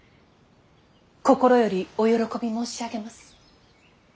心よりお喜び申し上げます。